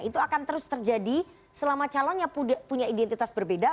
itu akan terus terjadi selama calonnya punya identitas berbeda